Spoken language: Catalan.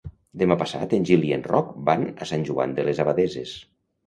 Demà passat en Gil i en Roc van a Sant Joan de les Abadesses.